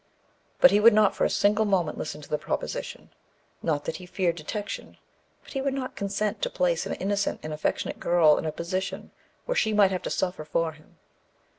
But he would not for a single moment listen to the proposition. Not that he feared detection; but he would not consent to place an innocent and affectionate girl in a position where she might have to suffer for him.